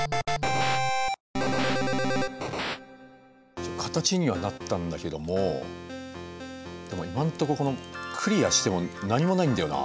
一応形にはなったんだけどもでも今んとここのクリアしても何もないんだよな。